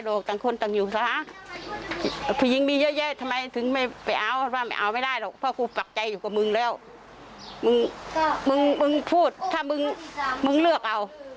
มึงมึงพูดถ้ามึงมึงเลือกเอา